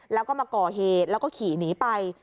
แล้วก็มาก่อเหตุแล้วก็ขี่หนีไป